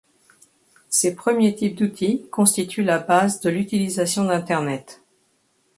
Ces premiers types d’outils constituent la base de l’utilisation d’internet.